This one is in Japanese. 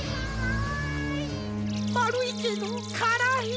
まるいけどからい。